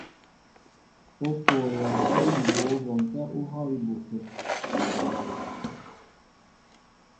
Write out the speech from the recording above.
Ó pôyɛ kwón mbwǒ bɔŋkɛ̄ ú hɔ̂ á ibu kə̂.